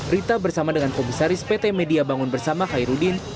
rita bersama dengan komisaris pt media bangun bersama khairudin